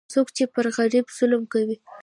څوک چې پر غریب ظلم کوي،